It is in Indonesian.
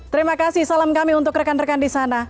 terima kasih salam kami untuk rekan rekan di sana